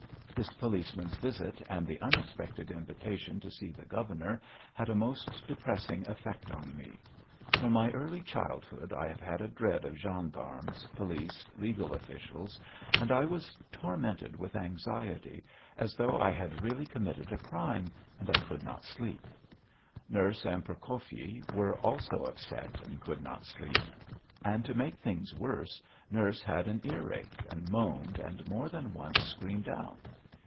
This policeman's visit and the unexpected invitation to see the governor had a most depressing effect on me. From my early childhood I have had a dread of gendarmes, police, legal officials, and I was tormented with anxiety as though I had really committed a crime and I could not sleep. Nurse and Prokofyi were also upset and could not sleep. And, to make things worse, nurse had an earache, and moaned and more than once screamed out.